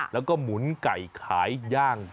แล้วก็หมุนไก่ขายย่าง